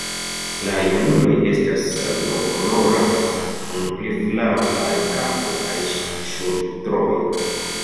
La junuloj estas sablokoloraj kun pli flavaj kapo kaj ŝultroj.